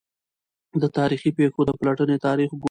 د تا ریخي پېښو د پلټني تاریخ ګورو.